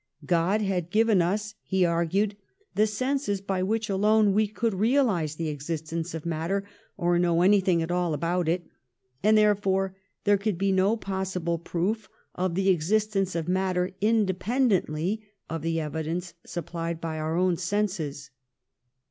God had given us, he argued, the senses by which alone we could realise the existence of matter or know anything at all about it, and therefore there could be no possible proof of the existence of matter independently of the evidence supplied by our own senses.